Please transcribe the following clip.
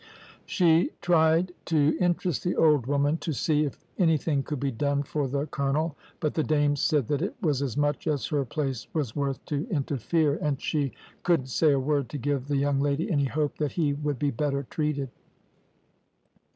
She tried to interest the old woman to see if anything could be done for the colonel; but the dame said that it was as much as her place was worth to interfere, and she couldn't say a word to give the young lady any hope that he would be better treated.